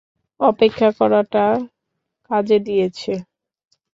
অপেক্ষা করাটা কাজে দিয়েছে।